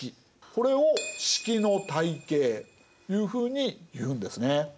これを職の体系というふうにいうんですね。